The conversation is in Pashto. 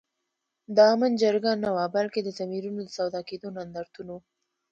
د آمن جرګه نه وه بلکي د ضمیرونو د سودا کېدو نندارتون وو